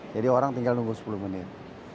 jadi orang tinggal nunggu sepuluh menit